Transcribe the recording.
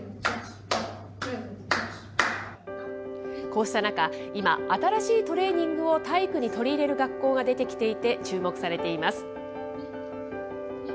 こうした中、今、新しいトレーニングを体育に取り入れる学校が出てきていて、注目されています。